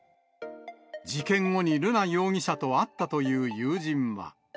事件後に瑠奈容疑者と会ったという友人は。